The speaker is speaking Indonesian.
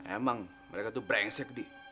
emang mereka tuh brengsek di